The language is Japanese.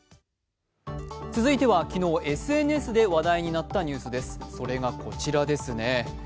続いては昨日ＳＮＳで話題となったニュースです、それがこちらですね。